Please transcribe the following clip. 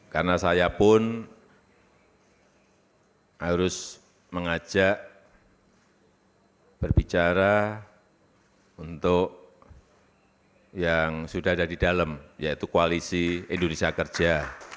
karena saya pun harus mengajak berbicara untuk yang sudah ada di dalam yaitu koalisi indonesia kerja